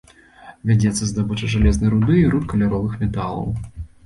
Вядзецца здабыча жалезнай руды і руд каляровых металаў.